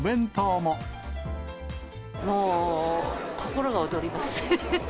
もう、心が躍ります。